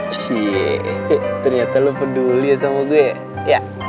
ciee ternyata lo peduli sama gue ya